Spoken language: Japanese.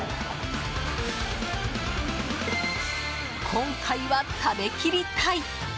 今回は食べ切りたい。